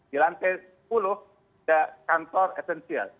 di lantai sepuluh ada kantor esensial